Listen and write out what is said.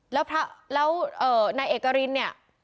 แล้วนายเอกรินเนี่ย